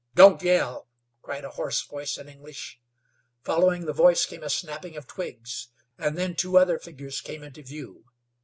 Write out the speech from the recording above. "Don't yell!" cried a hoarse voice in English. Following the voice came a snapping of twigs, and then two other figures came into view.